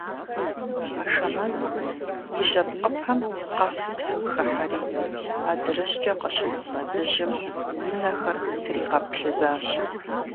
Ашэмэз и жьэпкъыпэм къэсу псым хыхьэри, адырыщӏкӏэ къыщыт мэзыжьым и нэхэр тригъэплъызащ.